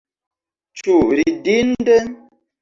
Ĉu ridinde?